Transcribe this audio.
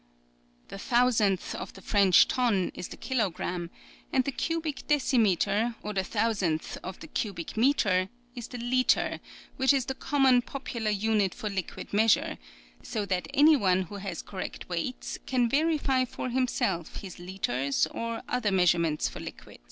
" The thousandth of the French ton is the kilogramme ; and the cubic decimetre, or the thousandth of the cubic metre, is the litre, which is the common popular unit for liquid measure ; so that any one who has correct weights can verify for himself his litres or other measures for liquid.